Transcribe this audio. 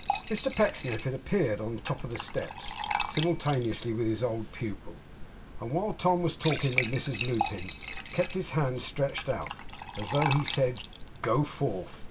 Mr Pecksniff had appeared on the top of the steps, simultaneously with his old pupil, and while Tom was talking with Mrs Lupin kept his hand stretched out, as though he said 'Go forth!